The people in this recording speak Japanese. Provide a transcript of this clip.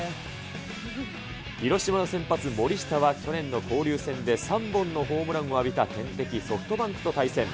広島の先発、森下は去年の交流戦で、３本のホームランを浴びた天敵、ソフトバンクと対戦。